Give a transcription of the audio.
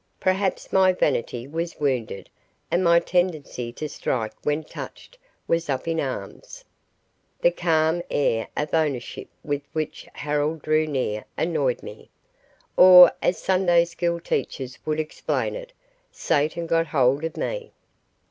Perhaps my vanity was wounded, and my tendency to strike when touched was up in arms. The calm air of ownership with which Harold drew near annoyed me, or, as Sunday school teachers would explain it, Satan got hold of me.